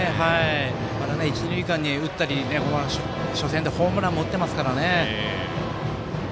一、二塁間に打ったり初戦でホームランも打っていますからね。